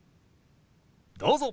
どうぞ。